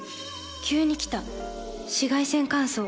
急に来た紫外線乾燥。